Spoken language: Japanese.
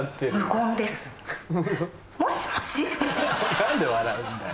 何で笑うんだよ。